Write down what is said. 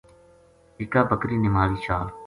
اِکا بکری نے ماری چھال